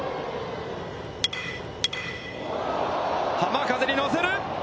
浜風に乗せる。